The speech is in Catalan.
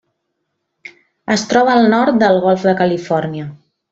Es troba al nord del Golf de Califòrnia.